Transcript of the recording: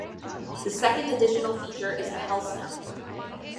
The second additional feature is the Hellstone.